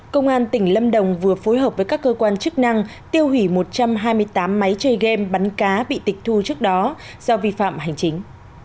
công an tỉnh lâm đồng vừa phối hợp với các cơ quan chức năng tiêu hủy một trăm hai mươi tám máy chơi game bắn cá bị tịch thu trước đó do vi phạm hành chính